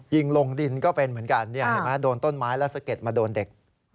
ยิงลงดินก็เป็นเหมือนกันโดนต้นไม้แล้วสะเก็ดมาโดนเด็ก